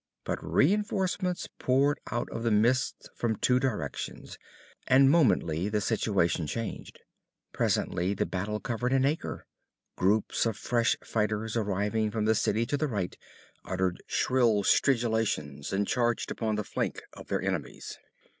But reinforcements poured out of the mist from two directions, and momently the situation changed. Presently the battle covered an acre. Groups of fresh fighters arriving from the city to the right uttered shrill stridulations and charged upon the flank of their enemies.